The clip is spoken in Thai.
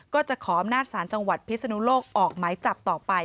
ก็จะขออำนาจศาลจังหวัดพิศนุโลกออกหมายจับต่อไป